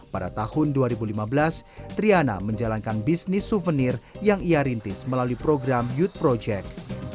pada tahun dua ribu lima belas triana menjalankan bisnis souvenir yang ia rintis melalui program youth project